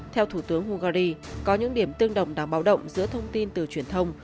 theo thủ tướng hungary có những điểm tương đồng đáng báo động giữa thông tin từ truyền thông